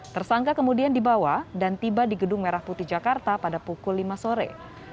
tersangka kemudian dibawa dan tiba di gedung merah putih jakarta pada pukul lima sore